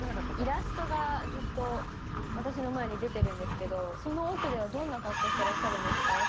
イラストがずっと私の前に出てるんですけど、その奥ではどんな格好してらっしゃるんですか？